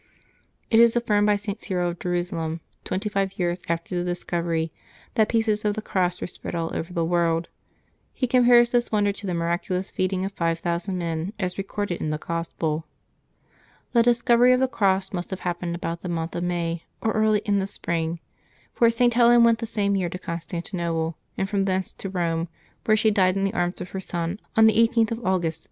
It is affirmed by St. Cyril of Jerusalem, twenty five years after the discovery, that pieces of the cross were spread all over the earth; he compares this wonder to the miraculous feeding of five thousand men, as recorded in the Gospel. The discovery of the cross must have happened about the month of May, or early in the spring; for St. Helen went the same year to Constantinople, and from thence to Eome, where she died in the arms of her son on the 18th of August, 326.